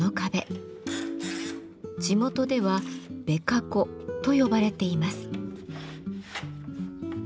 地元では「べかこ」と呼ばれています。